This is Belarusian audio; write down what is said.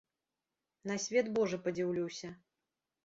На свет божы падзіўлюся.